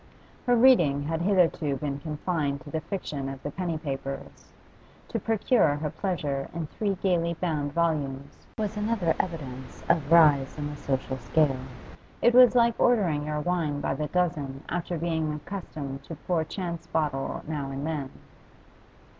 Her reading had hitherto been confined to the fiction of the penny papers; to procure her pleasure in three gaily bound volumes was another evidence of rise in the social scale; it was like ordering your wine by the dozen after being accustomed to a poor chance bottle now and then.